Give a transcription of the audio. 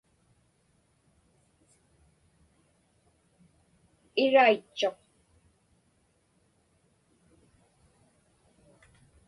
Iraitchuq.